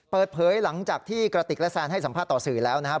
เปิดเผยหลังจากที่กระติกและแซนให้สัมภาษณ์ต่อสื่อแล้วนะครับ